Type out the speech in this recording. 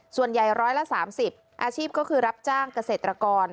ส่วนใหญ่๑๓๐รายอาชีพก็คือรับจ้างเกษตรกร